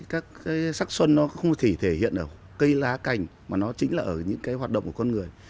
các sắc xuân nó không thể thể hiện ở cây lá cành mà nó chính là ở những cái hoạt động của con người